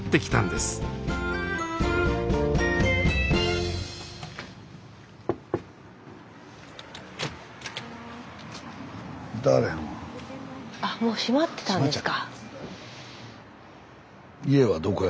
スタジオあもう閉まってたんですか。